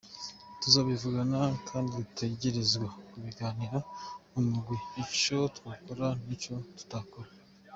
"Tuzobivugana, kandi dutegerezwa kubiganira mu mugwi- ico twokora n'ico tutokora.